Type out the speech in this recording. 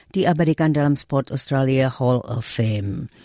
diabadikan dalam sport australia hall of fame